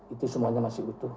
itu semuanya masih utuh